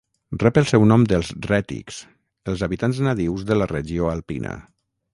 Rep el seu nom dels rètics, els habitants nadius de la regió alpina.